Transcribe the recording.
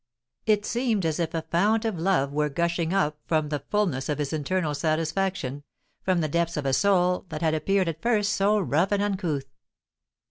It seemed as if a fount of love were gushing up from the fulness of his internal satisfaction, from the depths of a soul that had appeared at first so rough and uncouth.